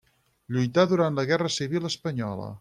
Lluità durant la Guerra civil espanyola.